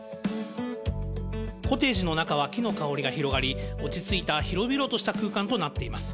コテージの中は木の香りが広がり、落ち着いた広々とした空間となっています。